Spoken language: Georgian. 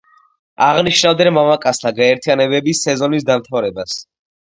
აღნიშნავდნენ მამაკაცთა გაერთიანებების სეზონის დამთავრებას.